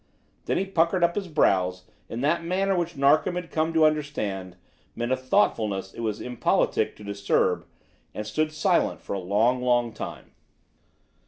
Then he puckered up his brows in that manner which Narkom had come to understand meant a thoughtfulness it was impolitic to disturb, and stood silent for a long, long time.